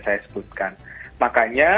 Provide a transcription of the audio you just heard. saya sebutkan makanya